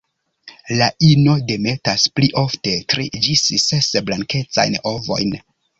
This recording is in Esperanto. La ino demetas pli ofte tri ĝis ses blankecajn ovojn.